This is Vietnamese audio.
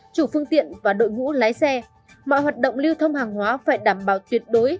chủ phương tiện và đội ngũ lái xe mọi hoạt động lưu thông hàng hóa phải đảm bảo tuyệt đối